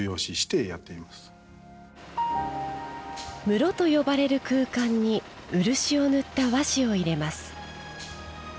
室と呼ばれる空間に漆を塗った和紙を入れます。